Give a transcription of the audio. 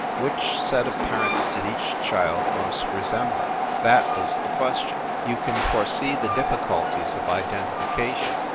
Which set of parents did each child most resemble? That was the question. You can foresee the difficulties of identification.